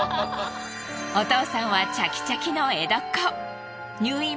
お父さんはチャキチャキの江戸っ子。